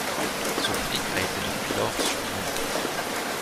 Ce prix a été depuis lors supprimé.